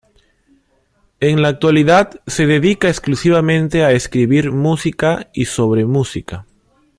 En la actualidad se dedica exclusivamente a escribir música y sobre música.